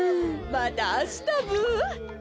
またあしたブ。